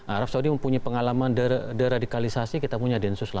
arab saudi mempunyai pengalaman deradikalisasi kita punya densus delapan puluh